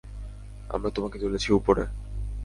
আমরা তোমাকে তুলছি উপরে!